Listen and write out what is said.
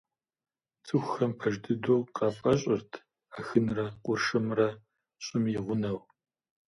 ЦӀыхухэм пэж дыдэу къафӀэщӀырт Ахынрэ къуршымрэ ЩӀым и гъунэу.